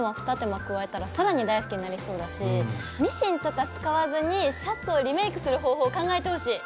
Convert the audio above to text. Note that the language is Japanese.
間加えたら更に大好きになりそうだしミシンとか使わずにシャツをリメイクする方法を考えてほしい！